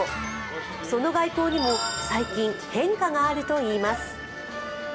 その外交にも最近、変化があるといいます。